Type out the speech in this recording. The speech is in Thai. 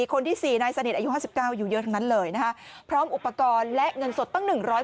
คนที่สี่นายหรืออายุ๕๙ปีอยู่เยอะนั้นเลยพร้อมอุปกรณ์และเงินสดปั้ง๑๐๐บาท